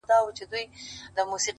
نو د کنفرانس نه يوه ورځ دمخه